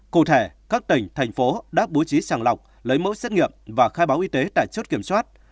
cụ thể các tỉnh thành phố đã bố trí sàng lọc lấy mẫu xét nghiệm và khai báo y tế tại chốt kiểm soát